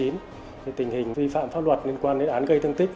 năm hai nghìn một mươi chín tình hình vi phạm pháp luật liên quan đến án gây thương tích